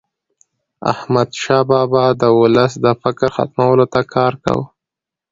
احمدشاه بابا به د ولس د فقر ختمولو ته کار کاوه.